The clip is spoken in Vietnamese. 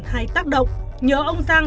hay tác động nhớ ông giang